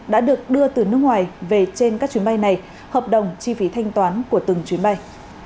đã được đưa từ nước ngoài về trên các chuyến bay này hợp đồng chi phí thanh toán của từng chuyến bay